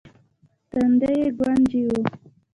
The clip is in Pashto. تندی يې ګونجې و.